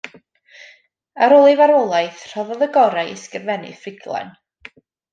Ar ôl ei farwolaeth, rhoddodd y gorau i ysgrifennu ffuglen.